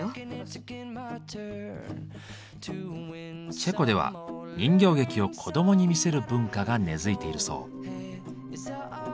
チェコでは人形劇を子どもに見せる文化が根付いているそう。